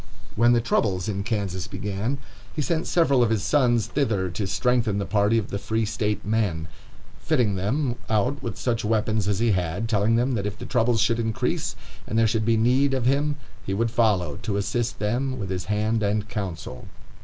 When the troubles in Kansas began, he sent several of his sons thither to strengthen the party of the Free State men, fitting them out with such weapons as he had; telling them that if the troubles should increase, and there should be need of him, he would follow, to assist them with his hand and counsel.